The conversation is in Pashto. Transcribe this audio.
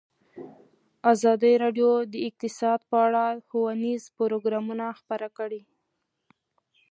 ازادي راډیو د اقتصاد په اړه ښوونیز پروګرامونه خپاره کړي.